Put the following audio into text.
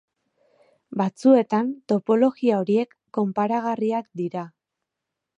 Batzuetan topologia horiek konparagarriak dira.